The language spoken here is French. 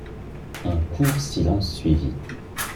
Un court silence suivit.